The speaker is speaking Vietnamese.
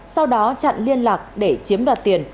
sau đó chặn liên lạc để chiếm đoạt tiền